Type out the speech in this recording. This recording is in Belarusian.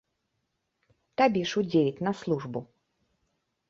Табе ж у дзевяць на службу.